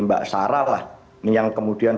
mbak sarah lah yang kemudian